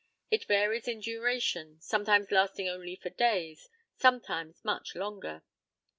It varies in duration, sometimes lasting only for days, sometimes much longer.